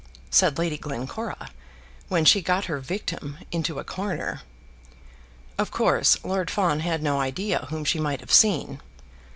said Lady Glencora, when she got her victim into a corner. Of course, Lord Fawn had no idea whom she might have seen.